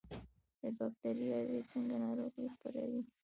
بکتریاوې څنګه ناروغي خپروي؟